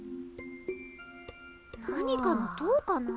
何かの塔かな？